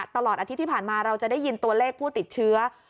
ตลอดอาทิตย์ที่ผ่านมาเราจะได้ยินตัวเลขผู้ติดเชื้อ